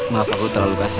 maaf aku terlalu kasar